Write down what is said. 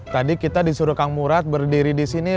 tadi kita disuruh kang murad berdiri disini